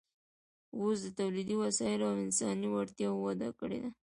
اوس د تولیدي وسایلو او انساني وړتیاوو وده کړې ده